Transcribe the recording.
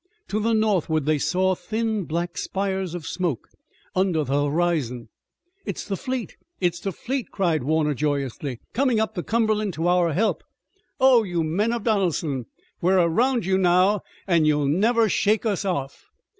To the northward they saw thin black spires of smoke under the horizon. "It's the fleet! It's the fleet!" cried Warner joyously, "coming up the Cumberland to our help! Oh, you men of Donelson, we're around you now, and you'll never shake us off!"